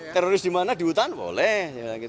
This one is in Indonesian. teroris di mana di hutan boleh